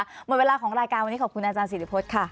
หมดเวลาของรายการวันนี้ขอบคุณอาจารย์ศิริพฤษค่ะ